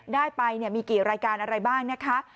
ได้ไปมีกี่รายการอะไรบ้างนะคะ